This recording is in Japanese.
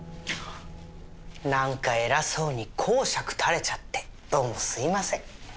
なんか偉そうに講釈垂れちゃってどうもすいません。